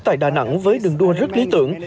tại đà nẵng với đường đua rất lý tưởng